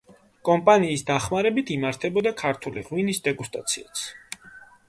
კომპანიის დახმარებით, იმართებოდა ქართული ღვინის დეგუსტაციაც.